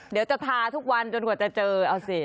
เดี๋ยวจะทาทุกวันจนกว่าจะเจอเอาสิ